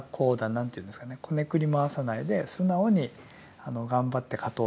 何ていうんですかねこねくり回さないで素直に頑張って勝とう。